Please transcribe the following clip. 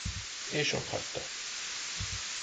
És otthagyta.